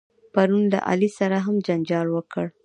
پرون له علي سره هم جنجال وکړ.